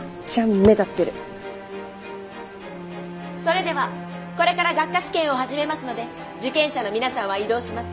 それではこれから学科試験を始めますので受験者の皆さんは移動します。